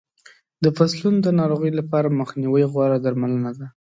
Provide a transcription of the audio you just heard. د فصلونو د ناروغیو لپاره مخنیوی غوره درملنه ده.